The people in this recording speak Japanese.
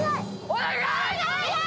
お願い！